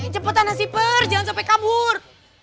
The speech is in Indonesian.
cepetan nasi pers jangan sampai kabur